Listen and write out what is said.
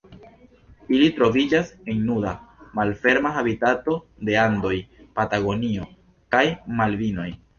Ili troviĝas en nuda, malferma habitato de Andoj, Patagonio kaj Malvinoj.